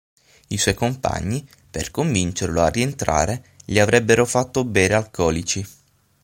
I suoi compagni, per convincerlo a rientrare, gli avrebbero fatto bere alcolici.